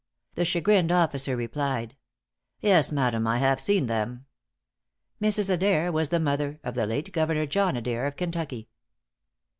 The chagrined officer replied, "Yes, madam, I have seen them." Mrs. Adair was the mother of the late Governor John Adair of Kentucky.